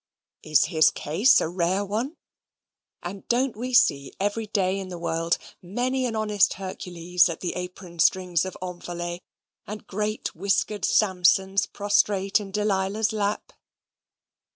Is his case a rare one? and don't we see every day in the world many an honest Hercules at the apron strings of Omphale, and great whiskered Samsons prostrate in Delilah's lap?